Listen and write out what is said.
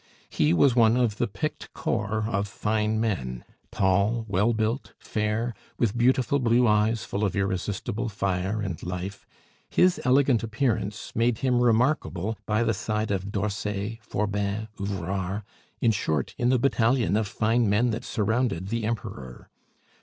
He was one of the picked corps of fine men. Tall, well built, fair, with beautiful blue eyes full of irresistible fire and life, his elegant appearance made him remarkable by the side of d'Orsay, Forbin, Ouvrard; in short, in the battalion of fine men that surrounded the Emperor.